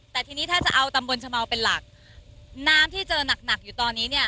แต่ทีนี้ถ้าจะเอาตำบลชะเมาเป็นหลักน้ำที่เจอหนักหนักอยู่ตอนนี้เนี่ย